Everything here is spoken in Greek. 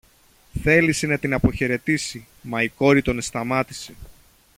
Θέλησε να την αποχαιρετήσει, μα η κόρη τον εσταμάτησε.